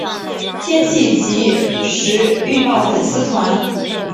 天气即时预报粉丝团